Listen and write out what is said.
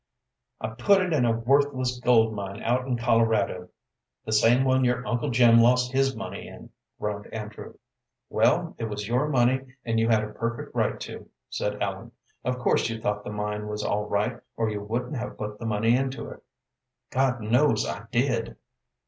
"I put it in a worthless gold mine out in Colorado the same one your uncle Jim lost his money in," groaned Andrew. "Well, it was your money, and you had a perfect right to," said Ellen. "Of course you thought the mine was all right or you wouldn't have put the money into it." "God knows I did."